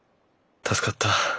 助かった。